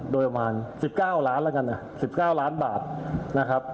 โดยประมาณสิบเก้าร้านแล้วกันอ่ะสิบเก้าร้านบาทนะครับ